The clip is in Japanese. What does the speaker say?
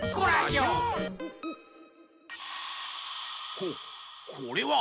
ここれは！